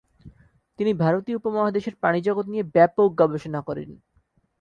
তিনি ভারতীয় উপমহাদেশের প্রাণীজগৎ নিয়ে ব্যাপক গবেষণা করেন।